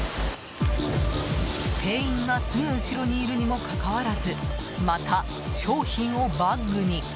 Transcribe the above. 店員がすぐ後ろにいるにもかかわらずまた商品をバッグに。